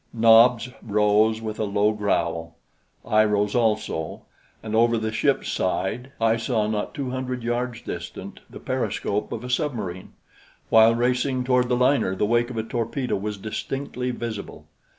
Nobs rose with a low growl. I rose, also, and over the ship's side, I saw not two hundred yards distant the periscope of a submarine, while racing toward the liner the wake of a torpedo was distinctly visible.